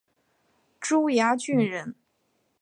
珠崖郡人。